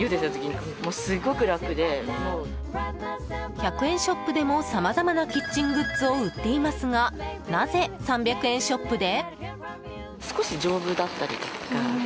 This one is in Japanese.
１００円ショップでもさまざまなキッチングッズを売っていますがなぜ３００円ショップで？